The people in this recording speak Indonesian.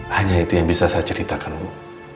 hanya itu yang bisa saya ceritakan bu